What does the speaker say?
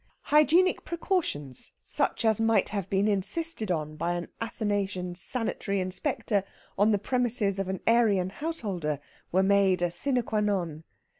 Hygienic precautions, such as might have been insisted on by an Athanasian sanitary inspector on the premises of an Arian householder, were made a sine qua non.